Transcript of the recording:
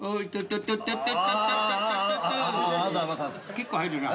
結構入るな。